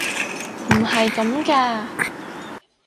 唔係咁㗎！